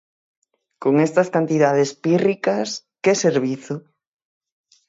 Con estas cantidades pírricas, ¿que servizo?